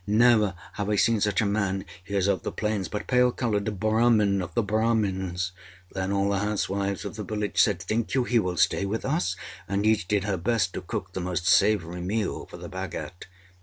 Never have I seen such a man. He is of the Plains but pale coloured a Brahmin of the Brahmins.â Then all the housewives of the village said, âThink you he will stay with us?â and each did her best to cook the most savoury meal for the Bhagat.